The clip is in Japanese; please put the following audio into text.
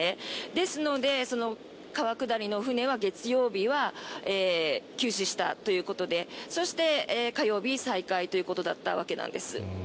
ですので、川下りの船は月曜日は休止したということでそして火曜日再開ということだったわけなんです。